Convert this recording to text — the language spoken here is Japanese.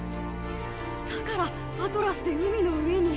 だからアトラスで海の上に。